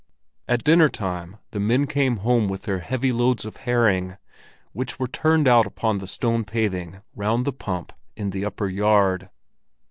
At dinner time the men came home with their heavy loads of herring, which were turned out upon the stone paving round the pump in the upper yard.